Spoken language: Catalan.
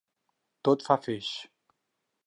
Tot fa feix.